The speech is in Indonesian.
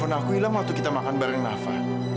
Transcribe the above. handphone aku ilang waktu kita makan bareng nafa